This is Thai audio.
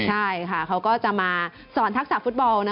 ใช่ค่ะเขาก็จะมาสอนทักษะฟุตบอล